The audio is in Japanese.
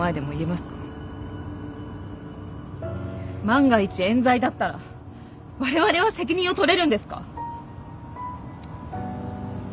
万が一冤罪だったらわれわれは責任を取れるんですか？